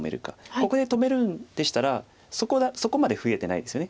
ここで止めるんでしたらそこまで増えてないですよね。